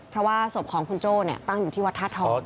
เพราะว่าศพของคุณโจ้เนี่ยตั้งอยู่ที่วัดท่าทอง